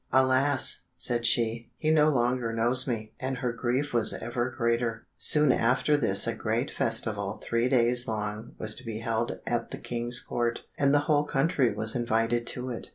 "Alas!" said she, "he no longer knows me," and her grief was ever greater. Soon after this a great festival three days long was to be held at the King's court, and the whole country was invited to it.